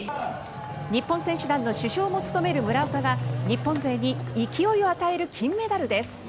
日本選手団の主将も務める村岡が日本勢に勢いを与える金メダルです。